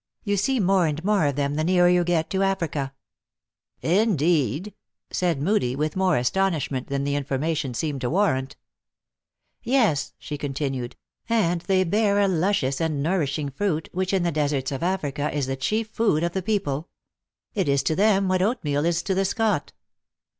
"You see more and more of them the nearer you get to Africa." " Indeed !" said Moodie, with more astonishment than the information seemed to warrant. THE ACTRESS IN HIGH LIFE. 229 " Yes," she continued ;" and they bear a luscious and nourishing fruit, which, in the deserts of Africa, is the chief food of the people. It is to them what oat meal is to the Scot."